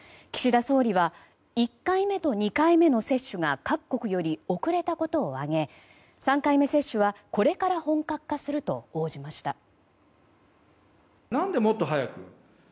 岸田総理は１回目と２回目の接種が各国より遅れたことを挙げ３回目接種はこれから本格化すると応じました。